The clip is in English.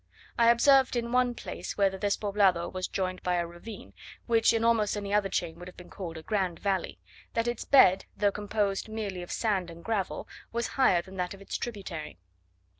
I observed in one place, where the Despoblado was joined by a ravine (which in almost any other chain would have been called a grand valley), that its bed, though composed merely of sand and gravel, was higher than that of its tributary.